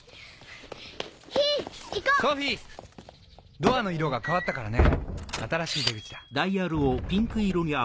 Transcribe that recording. ドアの色が変わったからね新しい出口だ。